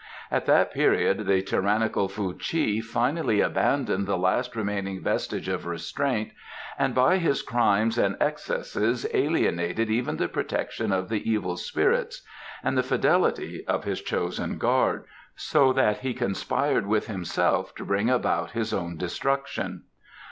At that period the tyrannical Fuh chi finally abandoned the last remaining vestige of restraint and by his crimes and excesses alienated even the protection of the evil spirits and the fidelity of his chosen guard; so that he conspired with himself to bring about his own destruction.